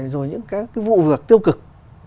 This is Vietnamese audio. rồi những cái vụ vượt tiêu cực